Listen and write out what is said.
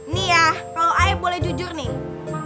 nih ya kalau ayah boleh jujur nih